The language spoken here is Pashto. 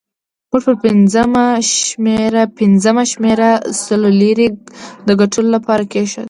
موږ پر پنځمه شمېره سلو لیرې د ګټلو لپاره کېښودې.